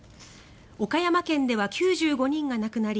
岡山県では９５人が亡くなり